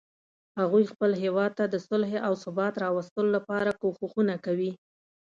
هغوی خپل هیواد ته د صلحې او ثبات راوستلو لپاره کوښښونه کوي